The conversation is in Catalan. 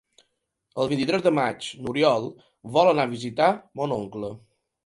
El vint-i-tres de maig n'Oriol vol anar a visitar mon oncle.